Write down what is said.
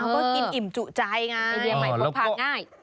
ก็กินอิ่มจุใจไงอีเวียหมายพวกพากง่าย